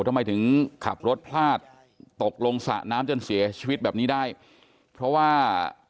ทำไมถึงขับรถพลาดตกลงสระน้ำจนเสียชีวิตแบบนี้ได้เพราะว่า